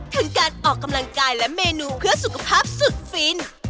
ทั้งการออกกำลังกายและเมนูเพื่อสุขภาพสุดฟิน